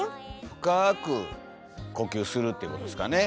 深く呼吸するってことですかね。